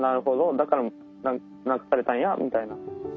だからながされたんや」みたいな。